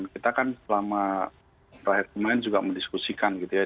kita kan selama terakhir kemarin juga mendiskusikan gitu ya